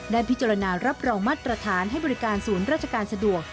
พิจารณารับรองมาตรฐานให้บริการศูนย์ราชการสะดวก